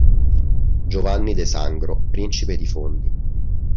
Giovanni de Sangro, principe di Fondi